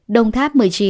đồng tháp một mươi chín